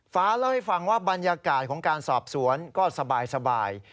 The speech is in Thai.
ฟ้าเล่าให้ฟังว่าบรรยากาศของการสอบสวนก็สบาย